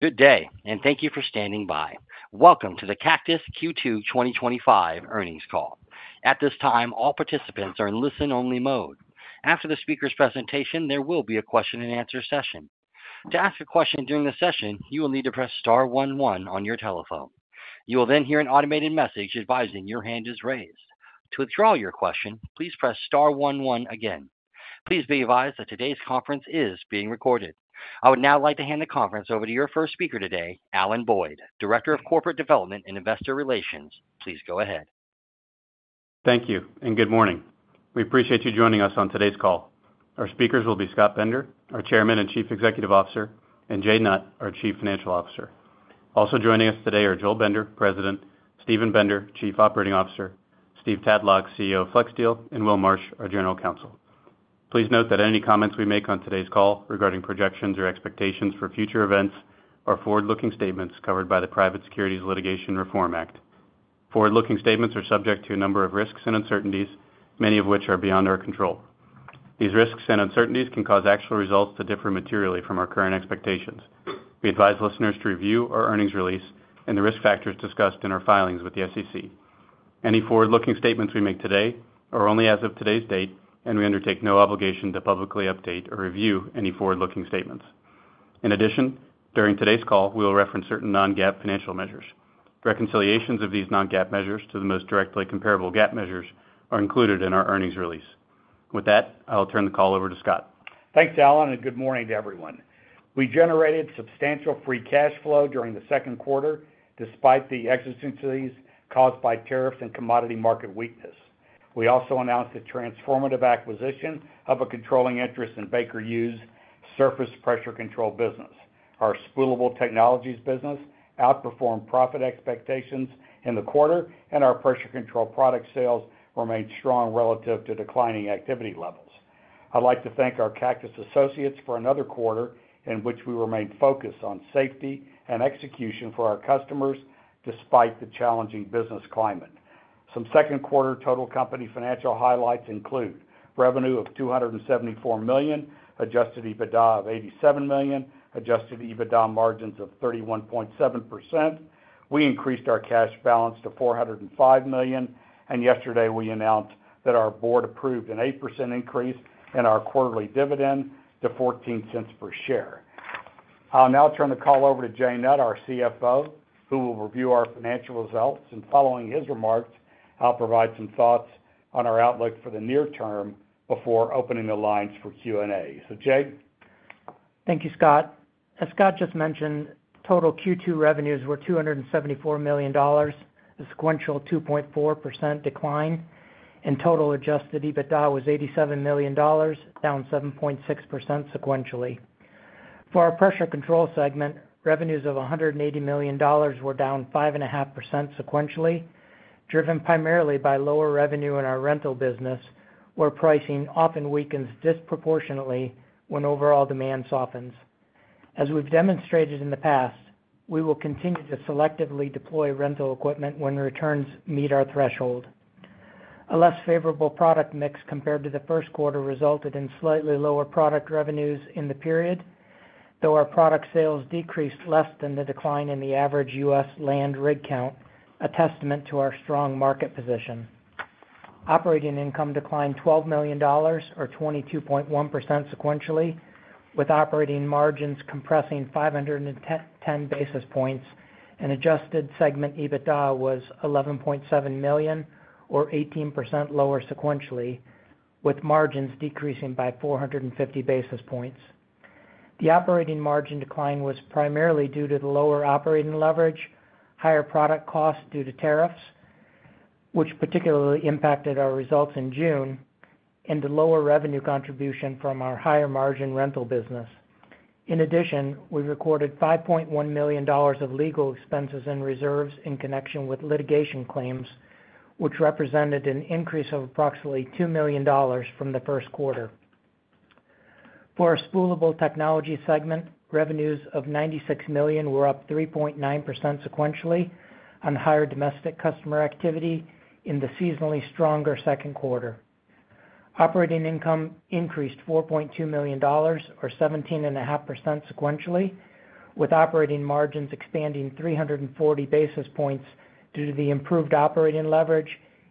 Good day and thank you for standing by. Welcome to the Cactus Q2 2025 earnings call. At this time, all participants are in listen-only mode. After the speaker's presentation, there will be a question-and-answer session. To ask a question during the session, you will need to press star one one on your telephone. You will then hear an automated message advising your hand is raised. To withdraw your question, please press star one one again. Please be advised that today's conference is being recorded. I would now like to hand the conference over to your first speaker today, Alan Boyd, Director of Corporate Development and Investor Relations. Please go ahead. Thank you and good morning. We appreciate you joining us on today's call. Our speakers will be Scott Bender, our Chairman and Chief Executive Officer, and Jay Nutt, our Chief Financial Officer. Also joining us today are Joel Bender, President, Steven Bender, Chief Operating Officer, Steve Tadlock, CEO of Flexsteel, and Will Marsh, our General Counsel. Please note that any comments we make on today's call regarding projections or expectations for future events are forward-looking statements covered by the Private Securities Litigation Reform Act. Forward-looking statements are subject to a number of risks and uncertainties, many of which are beyond our control. These risks and uncertainties can cause actual results to differ materially from our current expectations. We advise listeners to review our earnings release and the risk factors discussed in our filings with the SEC. Any forward-looking statements we make today are only as of today's date and we undertake no obligation to publicly update or review any forward-looking statements. In addition, during today's call we will reference certain non-GAAP financial measures. Reconciliations of these non-GAAP measures to the most directly comparable GAAP measures are included in our earnings release. With that, I'll turn the call over to Scott. Thanks Alan and good morning to everyone. We generated substantial Free cash flow during the second quarter despite the exigencies caused by tariffs and commodity market weakness. We also announced a transformative acquisition of a controlling interest in Baker Hughes' Surface pressure control business. Our Spoolable Technologies business outperformed profit expectations in the quarter and our Pressure Control product sales remained strong relative to declining activity levels. I'd like to thank our Cactus associates for another quarter in which we remain focused on safety and execution for our customers despite the challenging business climate. Some second-quarter total company financial highlights include revenue of $274 million, adjusted EBITDA of $87 million, adjusted EBITDA margins of 31.7%. We increased our cash balance to $405 million and yesterday we announced that our board approved an 8% increase in our quarterly dividend to $0.14 per share. I'll now turn the call over to Jay Nutt, our CFO, who will review our financial results and following his remarks, I'll provide some thoughts on our outlook for the near term before opening the lines for Q&A. Jay. Thank you, Scott. As Scott Bender just mentioned, total Q2 revenues were $274 million, a sequential 2.4% decline, and total adjusted EBITDA was $87 million, down 7.6% sequentially. For our Pressure Control segment, revenues of $180 million were down 5.5% sequentially, driven primarily by lower revenue in our rental business, where pricing often weakens disproportionately when overall demand softens. As we've demonstrated in the past, we will continue to selectively deploy rental equipment when returns may meet our threshold. A less favorable product mix compared to the first quarter resulted in slightly lower product revenues in the period, though our product sales decreased less than the decline in the average U.S. Land Rig Count, a testament to our strong market position. Operating income declined $12 million, or 22.1%, sequentially with operating margins compressing 510 basis points, and adjusted segment EBITDA was $11.7 million, or 18% lower sequentially with margins decreasing by 450 basis points. The operating margin decline was primarily due to the lower operating leverage, higher product costs due to tariffs, which particularly impacted our results in June, and the lower revenue contribution from our higher margin rental business. In addition, we recorded $5.1 million of legal expenses and reserves in connection with litigation claims, which represented an increase of approximately $2 million from the first quarter. For our Spoolable Technologies segment, revenues of $96 million were up 3.9% sequentially on higher domestic customer activity. In the seasonally stronger second quarter, operating income increased $4.2 million, or 17.5% sequentially, with operating margins expanding 340 basis points due to the improved operating leverage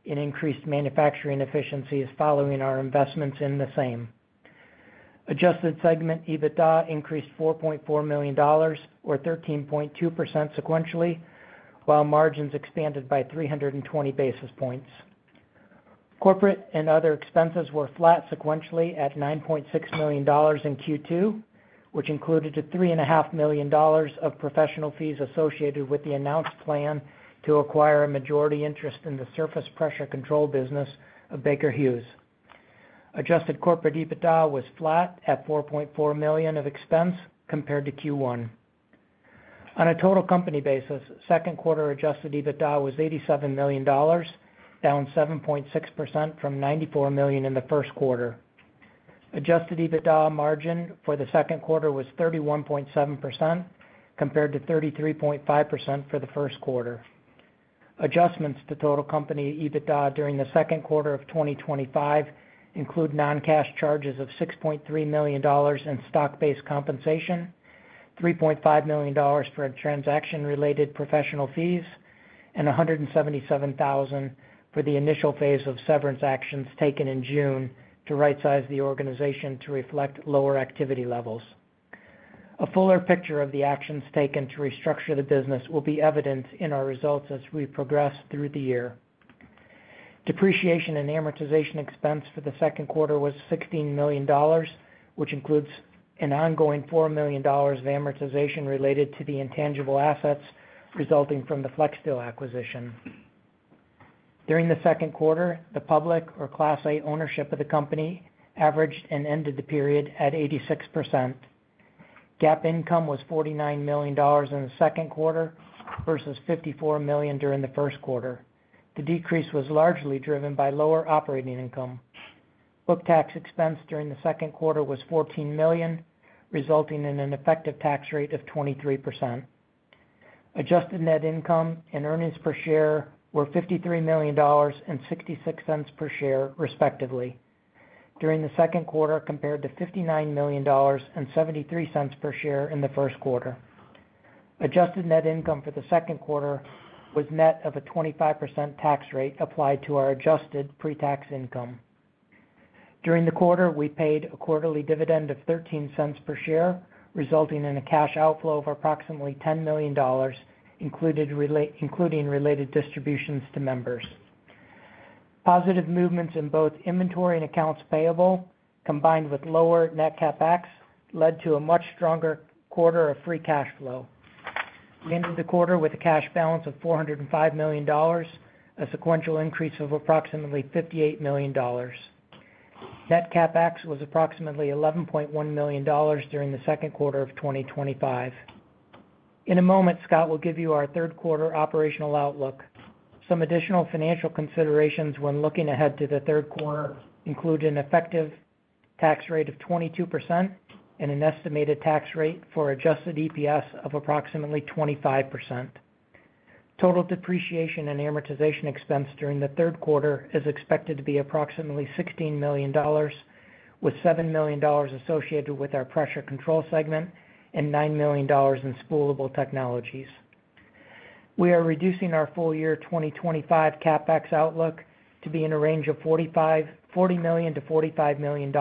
and increased manufacturing efficiencies following our investments in the same. Adjusted segment EBITDA increased $4.4 million, or 13.2% sequentially, while margins expanded by 320 basis points. Corporate and other expenses were flat sequentially at $9.6 million in Q2, which included $3.5 million of professional fees associated with the announced plan to acquire a majority interest in the Surface Pressure Control business of Baker Hughes. Adjusted corporate EBITDA was flat at $4.4 million of expense compared to Q1. On a total company basis, second quarter adjusted EBITDA was $87 million, down 7.6% from $94 million in the first quarter. Adjusted EBITDA margin for the second quarter was 31.7% compared to 33.5% for the first quarter. Adjustments to total company EBITDA during the second quarter of 2025 include noncash charges of $6.3 million in stock-based compensation, $3.5 million for transaction-related professional fees, and $177,000 for the initial phase of severance. Actions were taken in June to right-size the organization to reflect lower activity levels. A fuller picture of the actions taken to restructure the business will be evident in our results as we progress through the year. Depreciation and amortization expense for the second quarter was $16 million, which includes an ongoing $4 million of amortization related to the intangible assets resulting from the Flexsteel acquisition. During the second quarter, the public or Class A ownership of the company averaged and ended the period at 86%. GAAP income was $49 million in the second quarter versus $54 million during the first quarter. The decrease was largely driven by lower operating income. Book tax expense during the second quarter was $14 million, resulting in an effective tax rate of 23%. Adjusted net income and earnings per share were $53 million and $0.66 per share, respectively, during the second quarter compared to $59 million and $0.73 per share in the first quarter. Adjusted net income for the second quarter was net of a 25% tax rate applied to our adjusted premium pretax income. During the quarter, we paid a quarterly dividend of $0.13 per share, resulting in a cash outflow of approximately $10 million, including related distributions to members. Positive movements in both inventory and accounts payable, combined with lower net CapEx, led to a much stronger quarter of Free cash flow. We ended the quarter with a cash balance of $405 million, a sequential increase of approximately $58 million. Net CapEx was approximately $11.1 million during the second quarter of 2025. In a moment, Scott will give you our third-quarter operational outlook. Some additional financial considerations when looking ahead to the third quarter include an effective tax rate of 22% and an estimated tax rate for adjusted EPS of approximately 25%. Total depreciation and amortization expense during the third quarter is expected to be approximately $16 million, with $7 million associated with our Pressure Control segment and $9 million in Spoolable Technologies. We are reducing our full-year 2025 CapEx outlook to be in a range of $40 million-$45 million,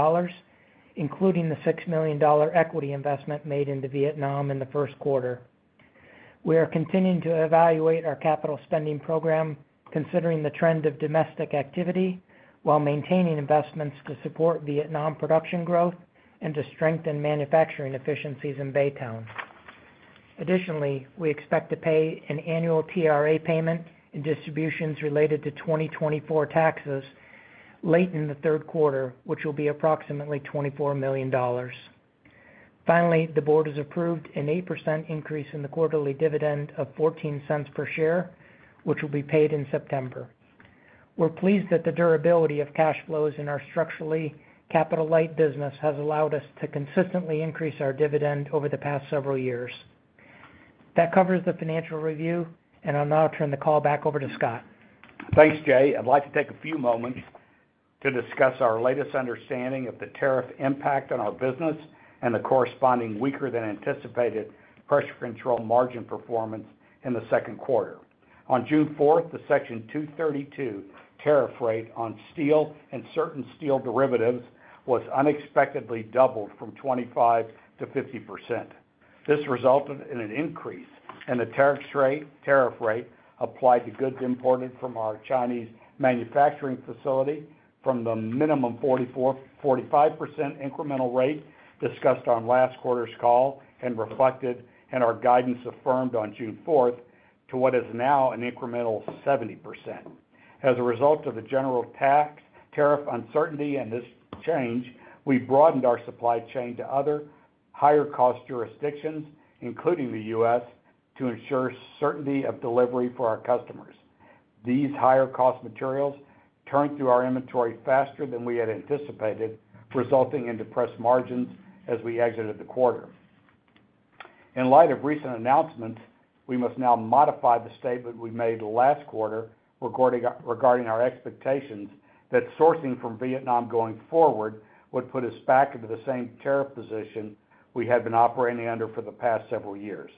including the $6 million equity investment made into Vietnam in the first quarter. We are continuing to evaluate our capital spending program, considering the trend of domestic activity while maintaining investments to support Vietnam production growth and to strengthen manufacturing efficiencies in Baytown. Additionally, we expect to pay an annual TRA payment and distributions related to 2024 taxes late in the third quarter, which will be approximately $24 million. Finally, the board has approved an 8% increase in the quarterly dividend of $0.14 per share, which will be paid in September. We're pleased that the durability of cash flows in our structurally capital light business has allowed us to consistently increase our dividend over the past several years. That covers the financial review and I'll now turn the call back over to Scott. Thanks, Jay. I'd like to take a few moments to discuss our latest understanding of the tariff impact on our business and the corresponding weaker-than-anticipated Pressure Control margin performance in the second quarter. On June 4, the Section 232 tariff rate on steel and certain steel derivatives was unexpectedly doubled from 25%-50%. This resulted in an increased in the tariff rate applied to goods imported from our Chinese manufacturing facility from the minimum 45% incremental rate discussed on last quarter's call and reflected in our guidance affirmed on June 4th to what is now an incremental 70%. As a result of the general tax tariff uncertainty and this change, we broadened our supply chain to other higher cost jurisdictions, including the U.S., to ensure certainty of delivery for our customers. These higher cost materials turned through our inventory faster than we had anticipated, resulting in depressed margins as we exited the quarter. In light of recent announcements, we must now modify the statement we made last quarter regarding our expectations that sourcing from Vietnam going forward would put us back into the same tariff position we had been operating under for the past several years.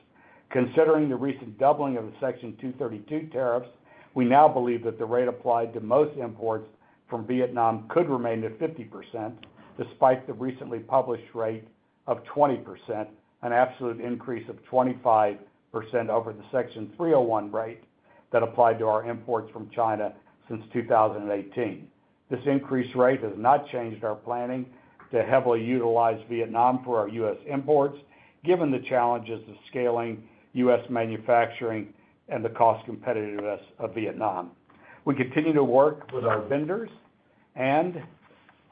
Considering the recent doubling of the Section 232 tariffs, we now believe that the rate applied to most imports from Vietnam could remain at 50% despite the recently published rate of 20%, an absolute increase of 25% over the Section 301 rate that applied to our imports from China since 2018. This increased rate has not changed our planning to heavily utilize Vietnam for our U.S. imports. Given the challenges of scaling U.S. manufacturing and the cost competitiveness of Vietnam, we continue to work with our vendors and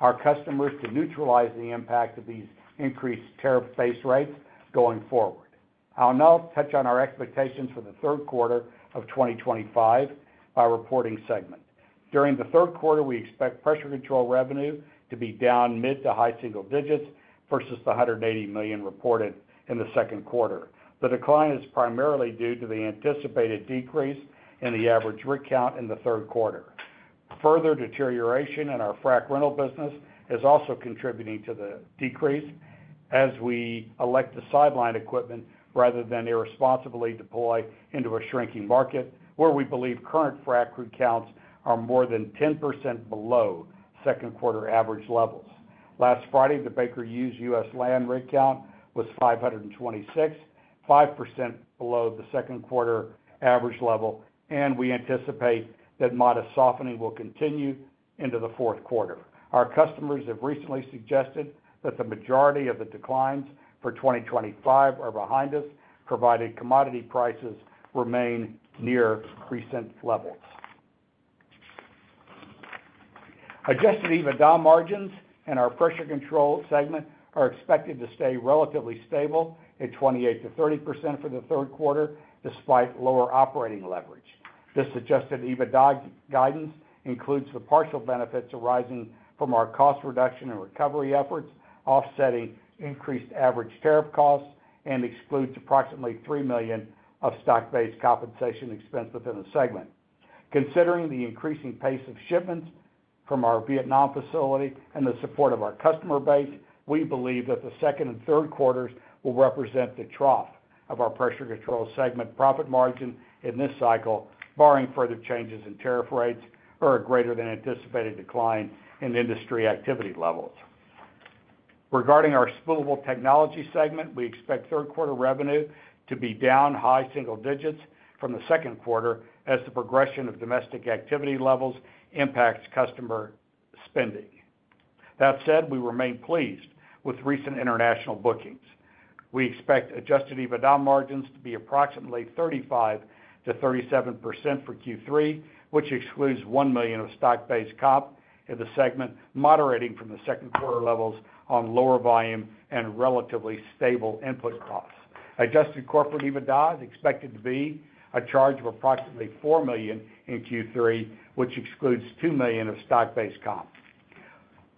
our customers to neutralize the impact of these increased tariff base rates going forward. I'll now touch on our expectations for the third quarter of 2025 by reporting segment. During the third quarter, we expect Pressure Control revenue to be down mid to high single digits versus the $180 million reported in the second quarter. The decline is primarily due to the anticipated decrease in the average rig count in the third quarter. Further deterioration in our Frac Rental business is also contributing to the decrease as we elect to sideline equipment rather than irresponsibly deploy it into a shrinking market where we believe current Frac crew counts are more than 10% below second quarter average levels. Last Friday, the Baker Hughes U.S. Land Rig Count was 526, 5% below the second quarter average level, and we anticipate that modest softening will continue into the fourth quarter. Our customers have recently suggested that the majority of the declines for 2025 are behind us, provided commodity prices remain near recent levels. Adjusted EBITDA margins in our Pressure Control segment are expected to stay relatively stable at 28%-30% for the third quarter despite lower operating leverage. This adjusted EBITDA guidance includes the partial benefits arising from our cost reduction and recovery efforts offsetting increased average tariff costs and excludes approximately $3 million of stock-based compensation expense within the segment. Considering the increasing pace of shipments from our Vietnam facility and the support of our customer base, we believe that the second and third quarters will represent the trough of our Pressure Control segment profit margin in this cycle. Barring further changes in tariff rates or a greater than anticipated decline in industry activity levels regarding our Spoolable Technologies segment, we expect third quarter revenue to be down high single digits from the second quarter as the progression of domestic activity levels impacts customer spending. That said, we remain pleased with recent international bookings. We expect adjusted EBITDA margins to be approximately 35%-37% for Q3, which excludes $1 million of stock-based comp in the segment, moderating from the second quarter levels on lower volume and relatively stable input costs. Adjusted corporate EBITDA is expected to be a charge of approximately $4 million in Q3, which excludes $2 million of stock-based comp.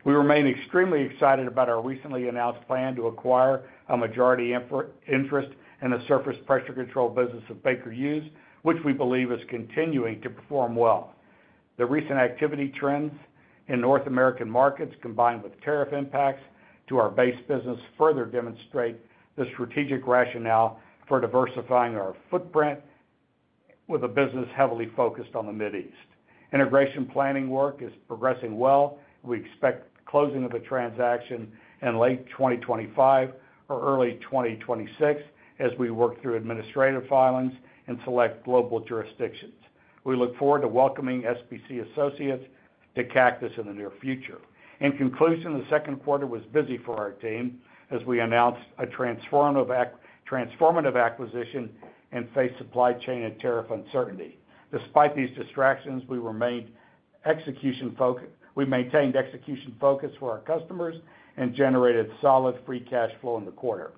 We remain extremely excited about our recently announced plan to acquire a majority interest in the Surface Pressure Control business of Baker Hughes, which we believe is continuing to perform well. The recent activity trends in North American markets combined with tariff impacts to our base business further demonstrate the strategic rationale for diversifying our footprint. With a business heavily focused on the Middle East, integration planning work is progressing well. We expect closing of the transaction in late 2025 or early 2026 as we work through administrative filings in select global jurisdictions. We look forward to welcoming SPC associates to Cactus in the near future. In conclusion, the second quarter was busy for our team as we announced a transformative acquisition and faced supply chain and tariff uncertainty. Despite these distractions, we remained execution focused for our customers and generated solid Free cash flow in the quarter.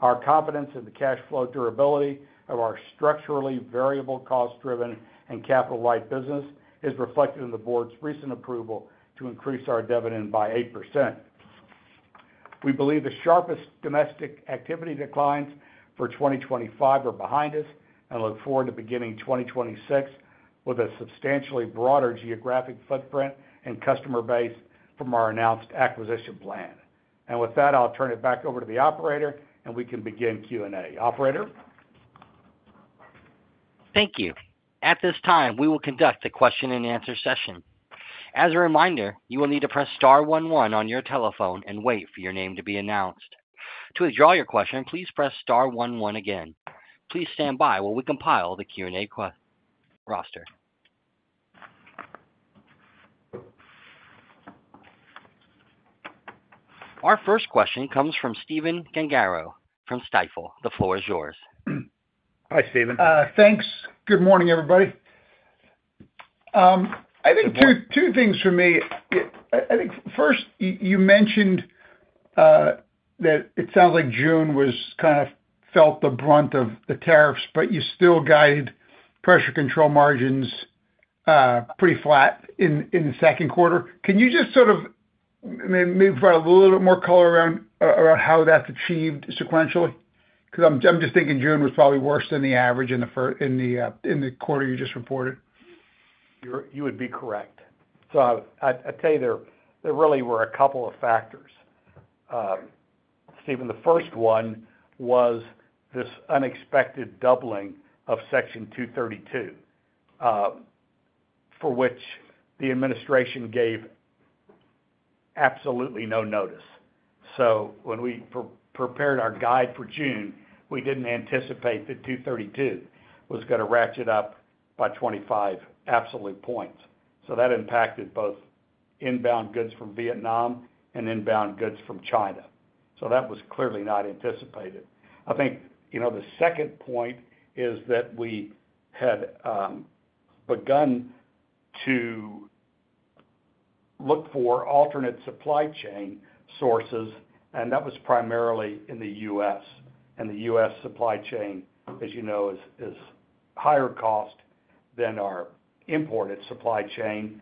Our confidence in the Cash flow durability of our structurally variable, cost-driven and capital-light business is reflected in the board's recent approval to increase our dividend by 8%. We believe the sharpest domestic activity declines for 2025 are behind us and look forward to beginning 2026 with a substantially broader geographic footprint and customer base from our announced acquisition plan. With that, I'll turn it back over to the operator and we can begin Q&A. Operator. Thank you. At this time, we will conduct the question and answer session. As a reminder, you will need to press star one one on your telephone and wait for your name to be announced. To withdraw your question, please press star one one again. Please stand by while we compile the QA roster. Our first question comes from Stephen Gengaro from Stifel. The floor is yours. Hi, Steven. Thanks. Good morning, everybody. I think two things for me. First, you mentioned. It sounds. Like June kind of felt the brunt of the tariffs, but you still guided Pressure Control margins pretty flat in the second quarter. Can you just maybe provide a little bit more color around how that's achieved sequentially? Because I'm just thinking June was probably worse than the average in the quarter you just reported. You would be correct. I'd tell you there really were a couple of factors, Stephen. The first one was this unexpected doubling of Section 232 for which the administration gave absolutely no notice. When we prepared our guide for June, we didn't anticipate the 232 was going to ratchet up by 25% absolute points. That impacted both inbound goods from Vietnam and inbound goods from China. That was clearly not anticipated. I think the second point is that we had begun to. Look. For alternate supply chain sources, and that was primarily in the U.S. and the U.S. Supply Chain, as you know, is higher cost than our imported supply chain.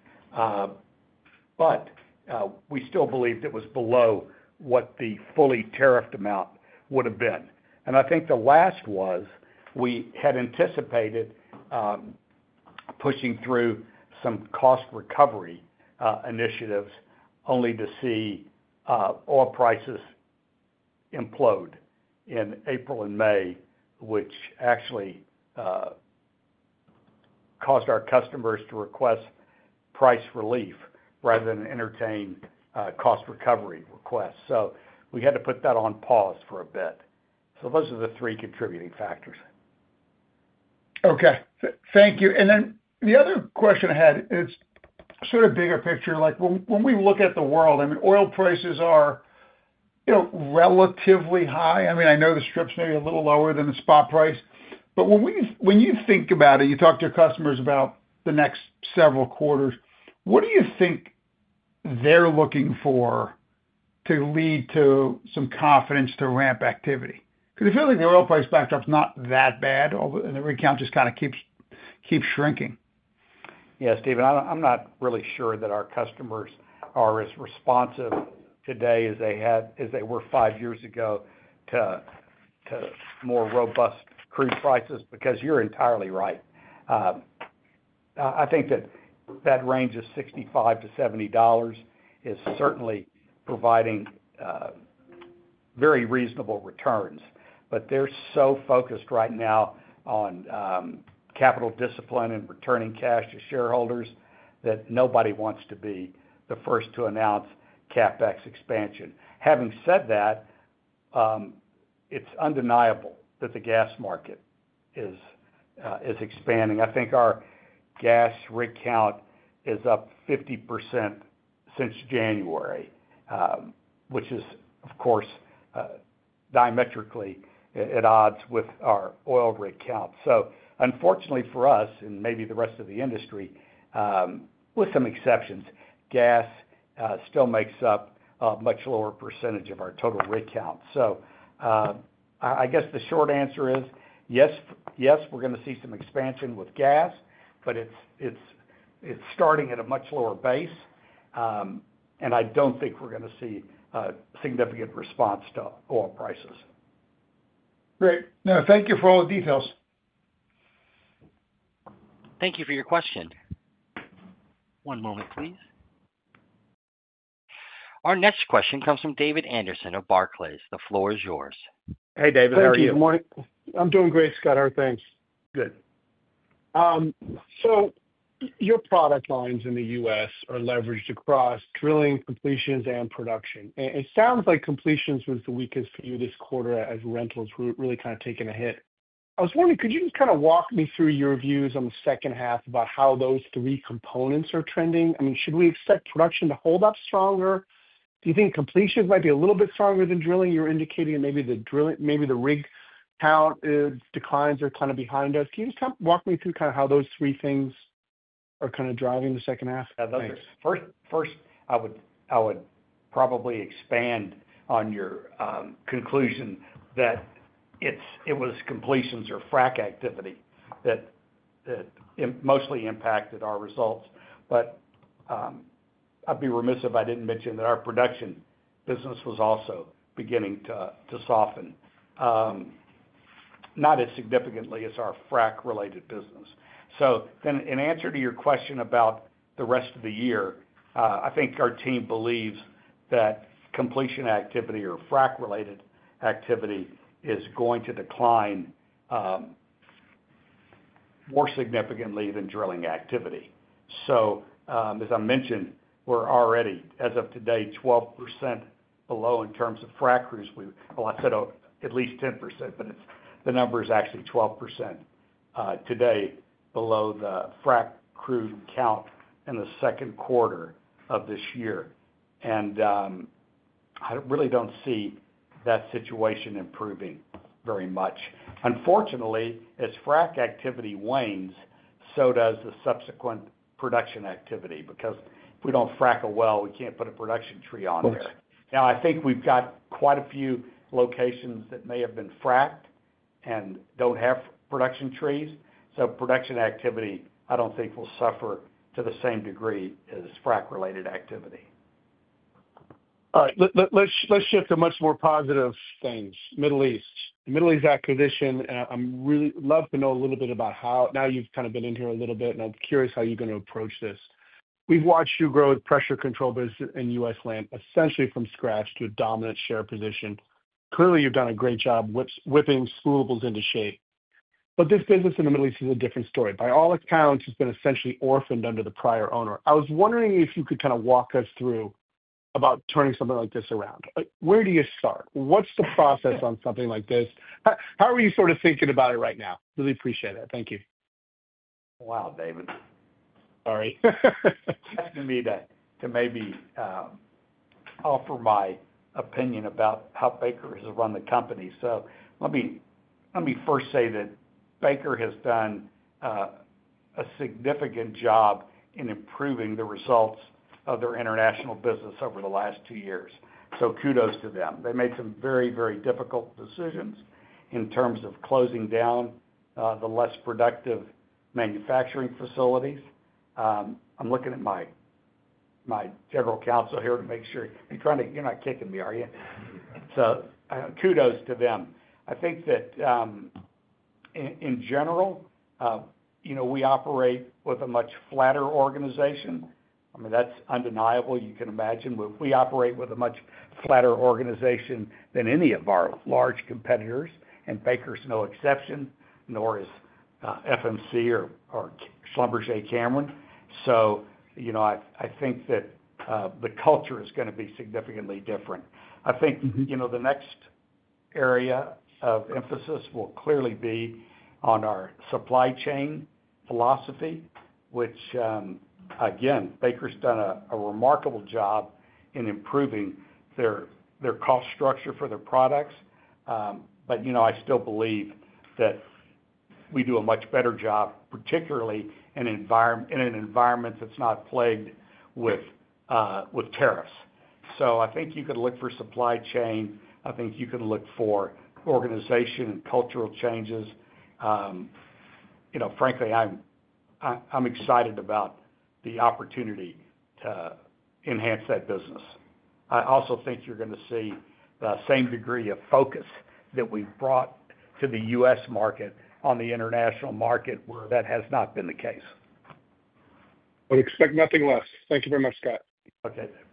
We still believed it was below what the fully tariffed amount would have been. The last was we had anticipated pushing through some cost recovery initiatives only to see oil prices implode in April and May, which actually caused our customers to request price relief rather than entertain cost recovery requests. We had to put that on pause for a bit. Those are the three contributing factors. Thank you. The other question I had is sort of bigger picture. Like when we look at the world. Oil prices are relatively high. I mean, I know the strips may be a little lower than the spot price, but when you think about it, you talk to your customers about the next several quarters, what do you think they're looking for to lead to some confidence to ramp activity? I feel like the oil price backdrop is not that bad. Rig count just kind of keeps shrinking. Yes, Stephen, I'm not really sure that our customers are as responsive today as they were five years ago to more robust crude prices. Because you're entirely right. I think that that range of $65-$70 is certainly providing very reasonable returns. They're so focused right now on capital discipline and returning cash to shareholders that nobody wants to be the first to announce CapEx expansion. Having said that, it's undeniable that the gas market is expanding. I think our gas rig count is up 50% since January, which is of course diametrically at odds with our oil rig count. Unfortunately for us and maybe the rest of the industry, with some exceptions, gas still makes up a much lower percentage of our total rig count. I guess the short answer is, yes, we're going to see some expansion with gas, but it's starting at a much lower base and I don't think we're going to see significant response to oil prices. Great. Thank you for all the details. Thank you for your question. One moment, please. Our next question comes from David Anderson of Barclays. The floor is yours. Hey, David, how are you? Good morning. I'm doing great, Scott. How are things? Good. Your product lines in the U.S. are leveraged across Drilling, Completions, and Production. It sounds like Completions was the weakest for you this quarter as rentals really kind of taking a hit. I was wondering, could you just kind of walk me through your views on the second half about how those three components are trending? I mean, should we expect production to hold up stronger? Do you think completions might be a Little bit stronger than drilling? You're indicating maybe the drilling, maybe the rig count declines are kind of behind us. Can you just walk me through kind of how those three things are kind of driving the second half? First, I would probably expand on your conclusion that it was Completions or Frac activity that mostly impacted our results. I'd be remiss if I didn't mention that our production business was also beginning to soften, not as significantly as our Frac-related business. In answer to your question about the rest of the year, I think our team believes that Completion activity or Frac-related activity is going to decline more significantly than Drilling activity. As I mentioned, we're already, as of today, 12% below in terms of Frac crews. I said at least 10%, but the number is actually 12% today below the Frac crew count in the second quarter of this year. I really don't see that situation improving very much. Unfortunately, as Frac activity wanes, so does the subsequent production activity, because if we don't frack a well, we can't put a production tree on there. I think we've got quite a few locations that may have been fracked and don't have production trees, so production activity I don't think will suffer to the same degree as Frac-related activity. All right, let's shift to much more positive things. Middle East acquisition I really. Love to know a little bit about. Now you've kind of been in here a little bit and I'm curious how you're going to approach this. We've watched you grow Pressure Control business in U.S. land essentially from scratch to a dominant share position. Clearly you've done a great job whipping Spoolable Technologies into shape. This business in the Middle East is a different story. By all accounts, it's been essentially orphaned under the prior owner. I was wondering if you could walk us through turning something like this around. Where do you start? What's the process on something like this? How are you sort of thinking about it right now? Really appreciate that, thank you. Wow, David, sorry to maybe offer my opinion about how Baker has run the company. Let me first say that Baker has done a significant job in improving the results of their international business over the last two years. Kudos to them. They made some very, very difficult decisions in terms of closing down the less productive manufacturing facilities. I'm looking at my General Counsel here to make sure you're trying to. You're not kicking me, are you? Kudos to them. I think that in general, we operate with a much flatter organization. I mean, that's undeniable. You can imagine we operate with a much flatter organization than any of our large competitors. Baker is no exception, nor is FMC or Schlumberger Cameron. I think that the culture is going to be significantly different. The next area of emphasis will clearly be on our supply chain philosophy, which again, Baker Hughes has done a remarkable job in improving their cost structure for their products. I still believe that we do a much better job, particularly in an environment that's not plagued with tariffs. You could look for supply chain. You can look for organization and cultural changes. Frankly, I'm excited about the opportunity to enhance that business. I also think you're going to see the same degree of focus that we brought to the U.S. market on the international market, where that has not been the case. Expect nothing less. Thank you very much, Scott.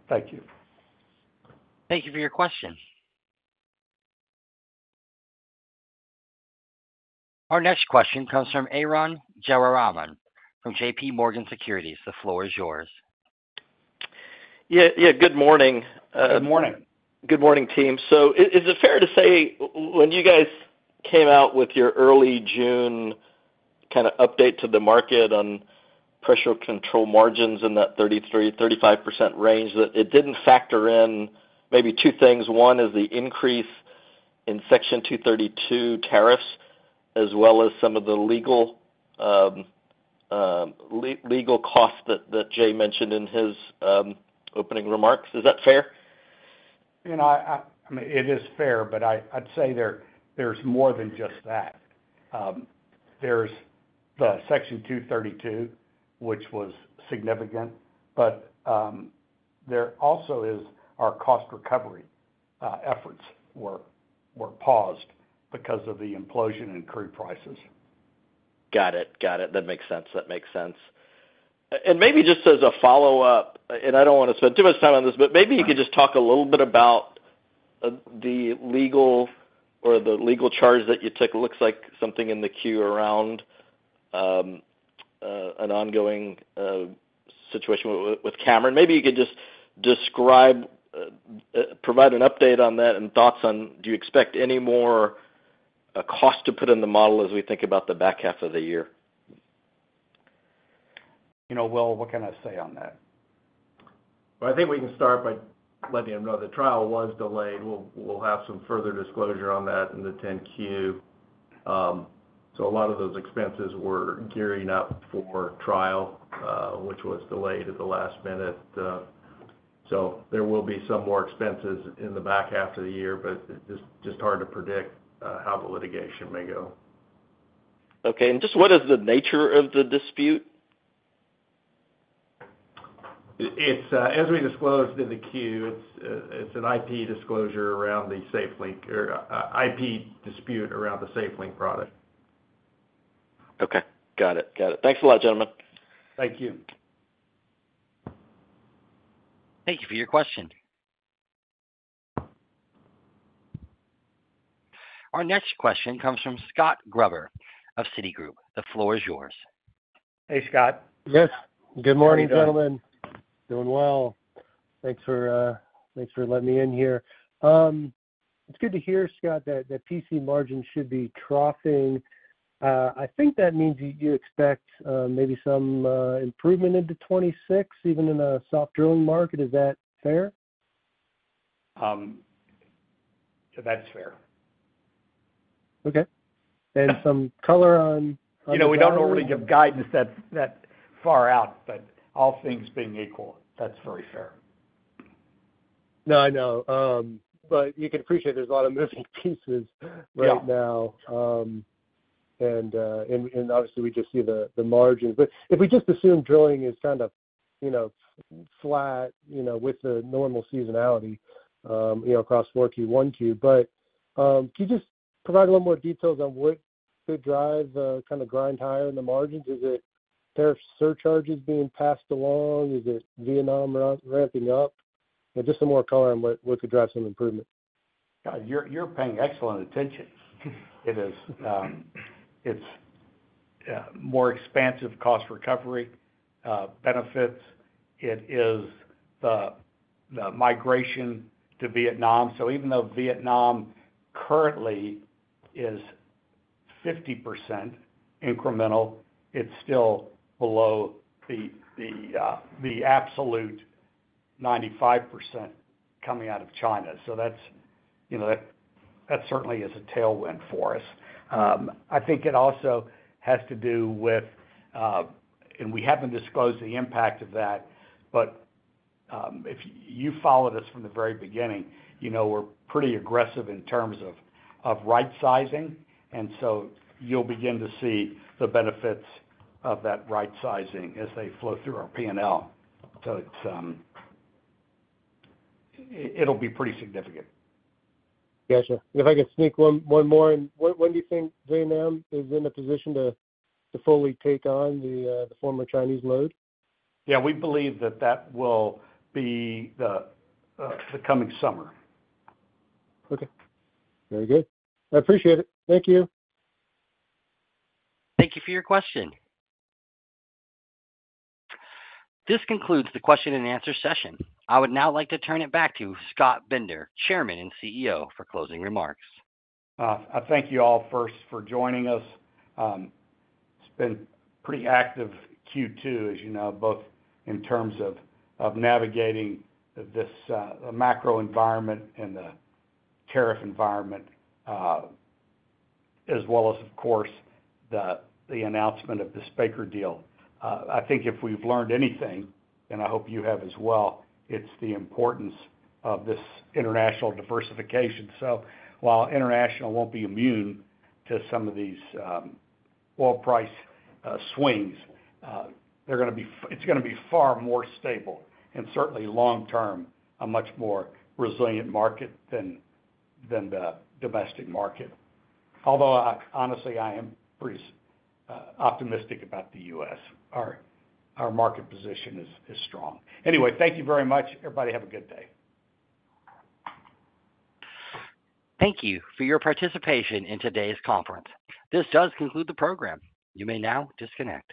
Thank you. Thank you for your question. Our next question comes from Arun Jayaram from J.P. Morgan Securities. The floor is yours. Yeah, good morning. Good morning. Good morning, team. Is it fair to say when you guys came out with your early June kind of update to the market on Pressure Control margins in that 33%-35% range that it didn't factor in maybe two things? One is the increase in Section 232 tariffs as well as some of the legal costs that Jay mentioned in his opening remarks. Is that fair? It is fair, but I'd say there's more than just that. There's the Section 232, which was significant, but there also is our cost recovery efforts were paused because of the implosion in crude prices. Got it. That makes sense. Maybe just as a follow up, I don't want to spend too much time on this, but maybe you could just talk a little bit about the legal or the legal charge that you took. It looks like something in the queue. Around. An ongoing situation with Cameron. Maybe you could just describe, provide an update on that, and thoughts on do you expect any more cost to put in the model as we think about the back half of the year? You know, Will, what can I say on that? I think we can start by letting him know the trial was delayed. We'll have some further disclosure on that in the 10-Q. A lot of those expenses were gearing up for trial, which was delayed at the last minute. There will be some more expenses in the back half of the year, but it's just hard to predict how the litigation may go. Okay, what is the nature of the dispute? It's as we disclosed in the queue. It's an IP disclosure around the SafeLink or IP dispute around the SafeLink product. Okay, got it. Got it. Thanks a lot, gentlemen. Thank you. Thank you for your question. Our next question comes from Scott Gruber of Citigroup. The floor is yours. Hey, Scott. Yes, good morning, gentlemen. Doing well. Thanks for letting me in here. It's good to hear, Scott. That PC margin should be troughing. I think that means you expect maybe some improvement into 2026 even in a soft drilling market. Is that fair? That's fair. Okay. Some color on, you know, we. Don't normally give guidance that far out, but all things being equal, that's very fair. No, I know, but you can appreciate there's a lot of moving pieces right now, and obviously we just see the margins. If we just assume drilling is kind of, you know, flat, with the normal seasonality across 4Q and 1Q, can you just provide a little more detail on what could drive kind of grind higher in the margins? Is it tariff surcharges being passed along? Is it Vietnam ramping up? Just some more color on what could drive some improvement. You're paying excellent attention. It is, it's more expansive cost recovery benefits. It is the migration to Vietnam. Even though Vietnam currently is 50% incremental, it's still below the absolute 95% coming out of China. That certainly is a tailwind for us. I think it also has to do with, and we haven't disclosed the impact of that, but if you followed us from the very beginning, you know we're pretty aggressive in terms of right sizing and you'll begin to see the benefits of that right sizing as they flow through our P&L. It'll be pretty significant. Gotcha. If I could sneak one more, when do you think Vietnam is in a position to fully take on the former Chinese load? We believe that will be the coming summer. Okay, very good. I appreciate it. Thank you. Thank you for your question. This concludes the question and answer session. I would now like to turn it back to Scott Bender, Chairman and CEO, for closing remarks. I thank you all first for joining us. It's been a pretty active Q2, as you know, both in terms of navigating this macro environment and the tariff environment, as well as, of course, the announcement of this Baker deal. I think if we've learned anything, and I hope you have as well, it's the importance of this international diversification. While international won't be immune to some of these oil price swings, it's going to be far more stable and certainly long term, a much more resilient market than the domestic market. Although honestly, I am pretty optimistic about the U.S. Our market position is strong. Anyway, thank you very much, everybody. Have a good day. Thank you for your participation in today's conference. This does conclude the program. You may now disconnect.